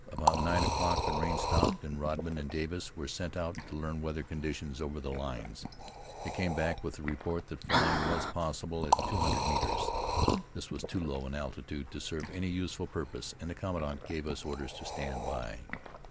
About nine o'clock the rain stopped, and Rodman and Davis were sent out to learn weather conditions over the lines. They came back with the report that flying was possible at two hundred metres. This was too low an altitude to serve any useful purpose, and the commandant gave us orders to stand by.